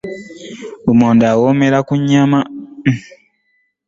Lumonde awoomera ku nyaama.